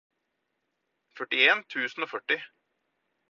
førtien tusen og førti